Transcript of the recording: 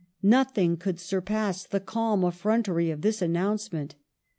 Nothing could surpass the calm effrontery ^^'^^^' of this announcement.